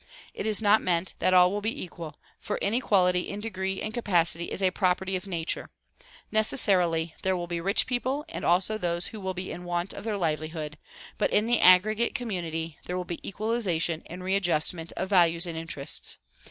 It is not meant that all will be equal, for inequality in degree and capacity is a property of nature. Necessarily there will be rich people and also those who will be in want of their livelihood, but in the aggregate community there will be equalization and readjustment of values and interests.